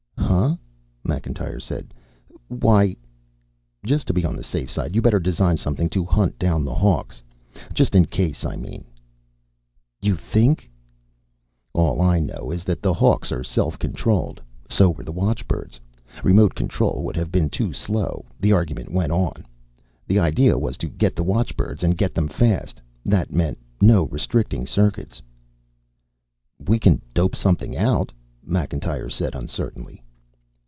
"Huh?" Macintyre said. "Why " "Just to be on the safe side, you'd better design something to hunt down the Hawks. Just in case, I mean." "You think " "All I know is that the Hawks are self controlled. So were the watchbirds. Remote control would have been too slow, the argument went on. The idea was to get the watchbirds and get them fast. That meant no restricting circuits." "We can dope something out," Macintyre said uncertainly.